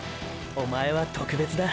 おまえは「特別」だ。